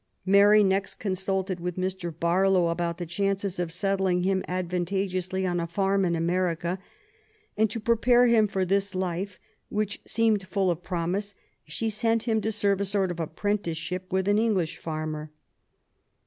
Mary next consulted with Mr. Barlow about the chances of settling him advantageously on a farm in America; and to prepare him for this life, which seemed full of promise, she sent him to serve a sort of apprentice* ship with an English farmer.